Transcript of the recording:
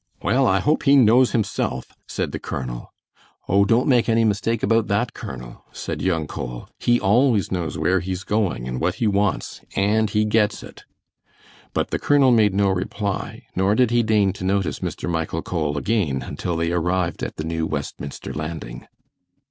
"Well, I hope he knows himself," said the colonel. "Oh, don't make any mistake about that, Colonel," said young Cole; "he always knows where he's going and what he wants, and he gets it." But the colonel made no reply, nor did he deign to notice Mr. Michael Cole again until they had arrived at the New Westminster landing.